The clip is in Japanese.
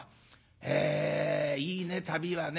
えいいね旅はね。